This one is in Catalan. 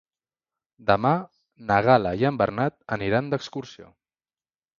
Demà na Gal·la i en Bernat aniran d'excursió.